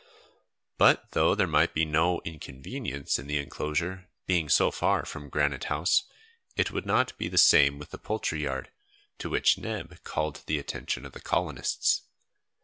But though there might be no inconvenience in the enclosure being so far from Granite House, it would not be the same with the poultry yard, to which Neb called the attention of the colonists.